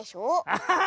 アッハハ！